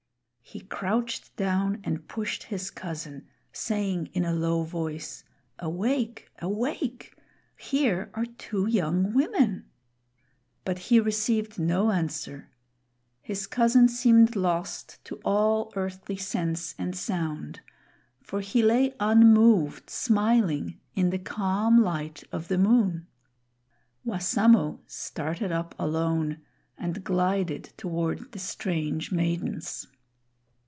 He crouched down and pushed his cousin, saying in a low voice, "Awake! awake! here are two young women." But he received no answer. His cousin seemed lost to all earthly sense and sound; for he lay unmoved, smiling, in the calm light of the moon. Wassamo started up alone and glided toward the strange maidens.